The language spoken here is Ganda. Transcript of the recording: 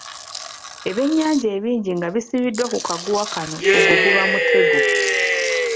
Ebyennyanja ebingi nga bisibiddwa ku kaguwa kamu ogwo guba Mugeto.